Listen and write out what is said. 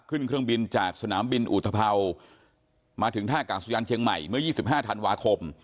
เครื่องบินจากสนามบินอุทธภาวมาถึงท่ากาศยานเชียงใหม่เมื่อ๒๕ธันวาคม